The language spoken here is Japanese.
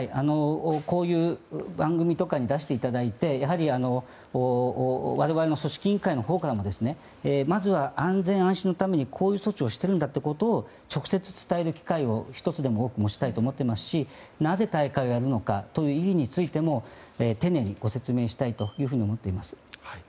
こういう番組とかに出していただいてやはり我々組織委員会のほうからもまずは安全・安心のためにこういう措置をしているんだということを直接伝える機会を１つでも多く持ちたいと思っていますしなぜ大会をやるのかという意義についても丁寧にご説明したいと思っています。